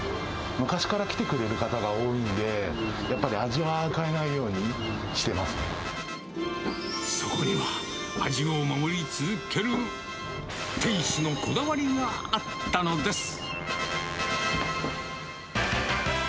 昔から来てくれる方が多いんで、やっぱり味は変えないようにしてそこには、味を守り続ける店主のこだわりがあったのです。